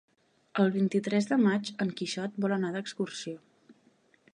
El vint-i-tres de maig en Quixot vol anar d'excursió.